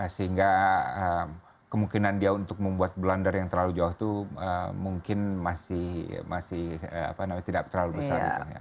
sehingga kemungkinan dia untuk membuat blunder yang terlalu jauh itu mungkin masih tidak terlalu besar